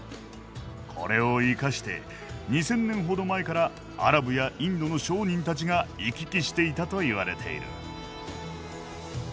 これを生かして２，０００年ほど前からアラブやインドの商人たちが行き来していたと言われている。